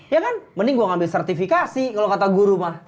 ya kan mending gue ngambil sertifikasi kalau kata guru mah